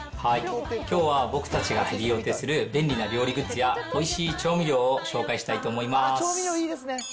きょうは僕たちがヘビロテする便利な料理グッズや、おいしい調味料を紹介したいと思います。